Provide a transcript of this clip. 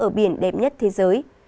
ở biển đẹp nhất thế giới